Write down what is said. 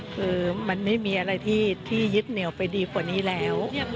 คือมันไม่มีอะไรที่ยึดเหนียวไปดีกว่านี้แล้ว